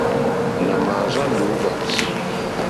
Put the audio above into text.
Nà mà àrzá lǒhwà.